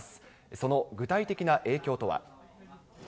その具体的な影響とは。